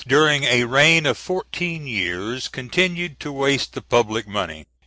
during a reign of fourteen years, continued to waste the public money.